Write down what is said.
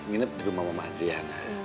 tapi nginep di rumah mama adriana